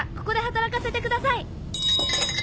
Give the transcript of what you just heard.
ここで働かせてください。